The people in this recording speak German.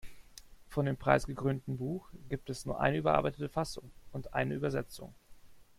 Von dem preisgekrönten Buch gibt es nun eine überarbeitete Fassung und eine Übersetzung.